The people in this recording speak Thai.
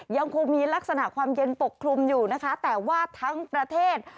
ยังคงมีลักษณะความเย็นปกคลุมอยู่นะคะแต่ว่าทั้งประเทศ